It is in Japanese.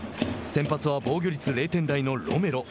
先発は防御率０点台のロメロ。